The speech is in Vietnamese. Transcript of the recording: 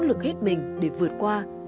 nỗ lực hết mình để vượt qua